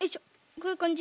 こういうかんじ？